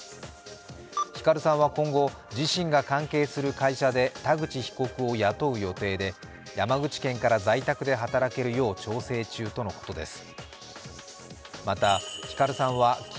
ヒカルさんは今後、自身が関係する会社で田口被告を雇う予定で山口県から在宅で働けるよう調整中とのことです。